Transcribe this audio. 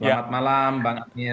selamat malam pak amir